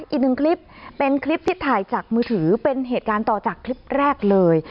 อีกหนึ่งคลิปเป็นคลิปที่ถ่ายจากมือถือเป็นเหตุการณ์ต่อจากคลิปแรกเลย